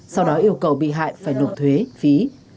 sau đó yêu cầu bị hại phải nộp thuế phí